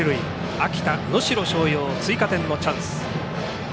秋田・能代松陽は追加点のチャンス。